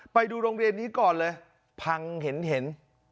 ไปดูโรงเรียนนี้ก่อนเลยพังเห็น